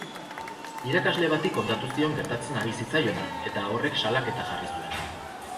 Irakasle bati kontatu zion gertatzen ari zitzaiona, eta horrek salaketa jarri zuen.